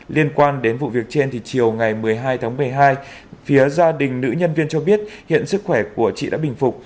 liên quan đến vụ việc trên thì chiều ngày một mươi hai tháng một mươi hai phía gia đình nữ nhân viên cho biết hiện sức khỏe của chị đã bình phục